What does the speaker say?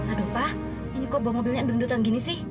aduh pak ini kok bawa mobilnya yang dendut dendut yang gini sih